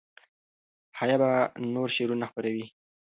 حیا به نور شعرونه خپروي.